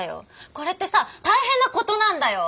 これってさ大変なことなんだよ。